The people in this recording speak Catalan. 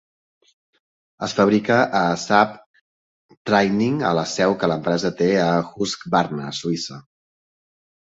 Es fabrica a Saab Training a la seu que l'empresa té a Husqvarna, Suïssa.